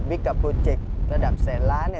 บิกกับโปรเจคระดับแสนล้าน